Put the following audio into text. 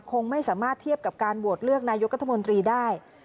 คงไม่สามารถเทียบกับการโหวตเลือกนายกรัฐมนตรีได้